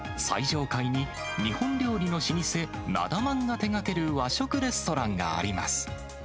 最上階に日本料理の老舗、なだ万が手がける和食レストランがあります。